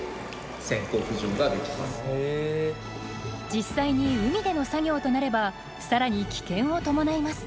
実際に海での作業となれば更に危険を伴います。